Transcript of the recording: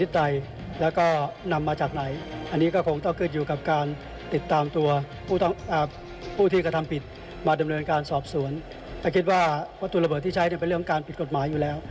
แต่คิดว่าวัตถุระเบิดที่ใช้เป็นเรื่องการผิดกฎหมายอยู่แล้ว